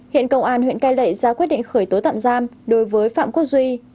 hiện công an huyện cai lệ ra quyết định khởi tố tạm giam đối với phạm quốc duy